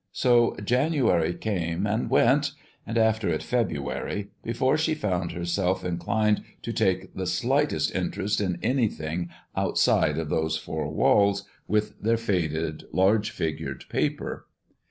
So January came and went, and after it February, before she found herself inclined to take the slightest interest in anything outside of those four walls, with their faded, large figured paper.